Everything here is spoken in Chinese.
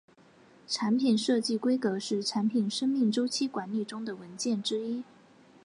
产品设计规格是产品生命周期管理中的文件之一。